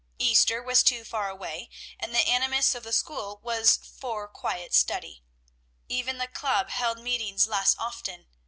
Easter was too far away, and the animus of the school was for quiet study. Even the club held meetings less often.